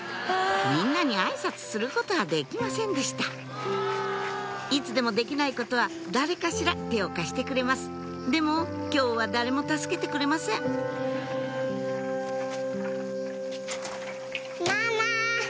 みんなにあいさつすることはできませんでしたいつでもできないことは誰かしら手を貸してくれますでも今日は誰も助けてくれませんママ。